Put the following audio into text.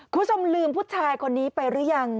คุณสมลืมผู้ชายคนนี้ไปรึยัง